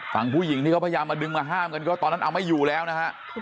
ฝั่งผู้หญิงที่เขาพยายามมาดึงมาห้ามกันก็ตอนนั้นเอาไม่อยู่แล้วนะฮะ